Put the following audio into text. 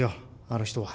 あの人は。